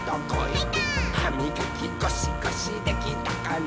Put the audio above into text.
「はみがきゴシゴシできたかな？」